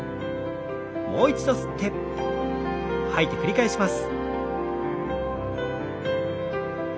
もう一度吸って吐いて繰り返します。